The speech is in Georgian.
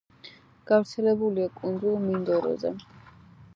გავრცელებულია კუნძულ მინდოროზე.